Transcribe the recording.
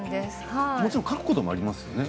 もちろん書くこともありますね。